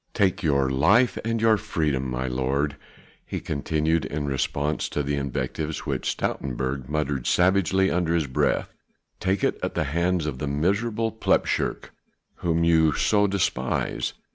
Take your life and freedom, my lord," he continued in response to the invectives which Stoutenburg muttered savagely under his breath, "take it at the hands of the miserable plepshurk whom you so despise.